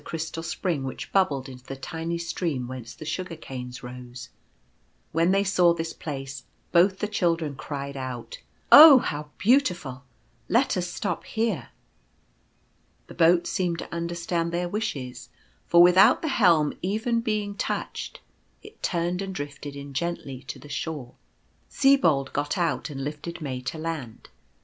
crystal spring which bubbled into the tiny stream whence the Sugar canes rose. When they saw this place both the children cried out, " Oh, how beautiful ! Let us stop here." The boat seemed to understand their wishes, for with out the helm even being touched, it turned and drifted in gently to the shore. Sibold got out and lifted May to land.